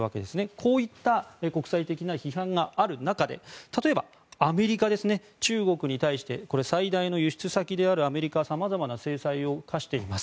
こういった国際的な批判がある中で例えば、アメリカ中国に対して最大の輸出先であるアメリカはさまざまな制裁を科しています。